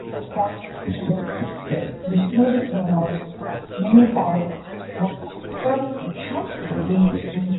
The story received praise for its exploration of religious themes and ethical questions.